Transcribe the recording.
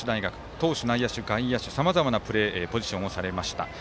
投手、内野手、外野手とさまざまなポジションをされました。